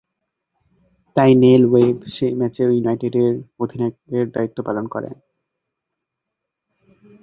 তাই Neil Webb সেই ম্যাচে ইউনাইটেডের অধিনায়কের দায়িত্ব পালন করেন।